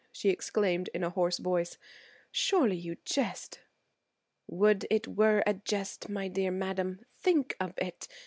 she exclaimed in a hoarse voice, "surely you jest." "Would it were a jest, my dear madam. Think of it!